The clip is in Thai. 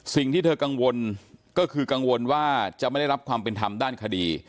สิ่งที่เธอกังวลก็คือกังวลว่าจะไม่ได้รับความเป็นธรรมด้านคดี